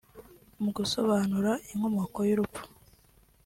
Mu gusobanura inkomoko y’urupfu